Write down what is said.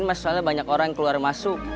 mas soalnya banyak orang yang keluar masuk